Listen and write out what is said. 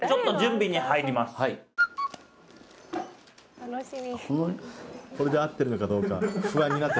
「楽しみ」